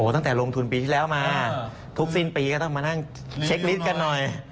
ตั้งแต่ลงทุนปีที่แล้วมาทุกสิ้นปีก็ต้องมานั่งเช็คลิฟต์กันหน่อย